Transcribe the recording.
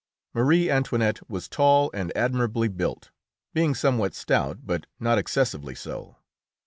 Marie Antoinette was tall and admirably built, being somewhat stout, but not excessively so.